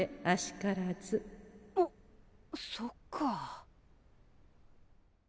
あっそっか。